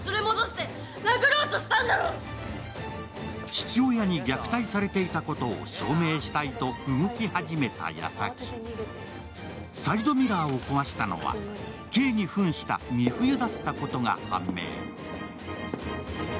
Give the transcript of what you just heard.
父親に虐待されていたことを証明したいと動き始めた矢先、サイドミラーを壊したのはＫにふんした美冬だったことが判明。